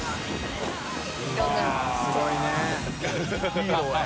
ヒーローや。